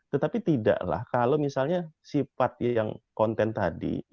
tetapi tidaklah kalau misalnya sifat yang konten tadi